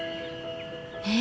え？